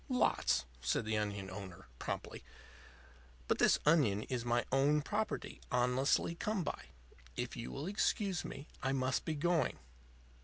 "Lots," said the onion owner, promptly. "But this onion is my own property, honestly come by. If you will excuse me, I must be going."